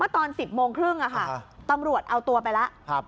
ตอน๑๐โมงครึ่งตำรวจเอาตัวไปแล้ว